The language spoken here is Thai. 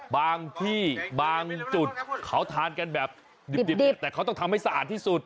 บางที่บางจุดเขาทานกันแบบดิบแต่เขาต้องทำให้สะอาดที่สุด